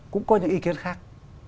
cũng có những ý kiến khác